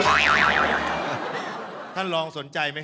ที่จะเป็นความสุขของชาวบ้าน